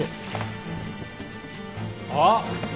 あっ！